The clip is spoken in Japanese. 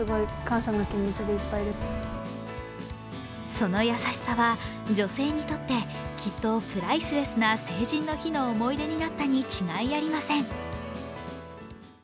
その優しさは女性にとってきっとプライスレスな成人の日の思い出になったに違いありません。